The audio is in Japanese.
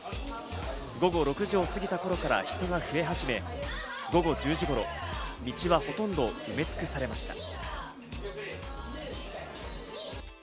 午後６時を過ぎた頃から人が増え始め、午後１０時頃、道はほとんど埋め尽くされました。